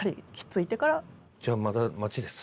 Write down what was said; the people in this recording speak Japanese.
じゃあまだ待ちです。